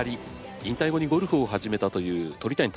引退後にゴルフを始めたという鳥谷敬さん。